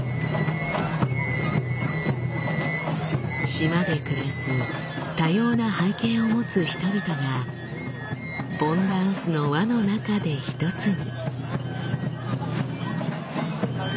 島で暮らす多様な背景を持つ人々が盆ダンスの輪の中で一つに。